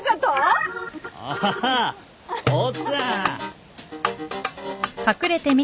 ああ奥さん。